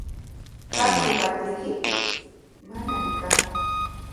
¿Kanku katriyki? Manami kanku.